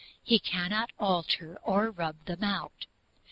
He cannot alter or rub them out.